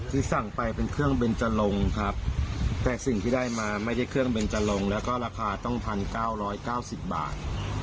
ที่สั่งไปเป็นเครื่องเบนจรงครับแต่สิ่งที่ได้มาไม่ได้เครื่องเบนจรงแล้วก็ราคาต้องพันเก้าร้อยเก้าสิบบาท